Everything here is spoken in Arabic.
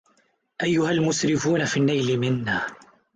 أيها المسرفون في النيل منا